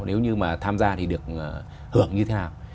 nếu như mà tham gia thì được hưởng như thế nào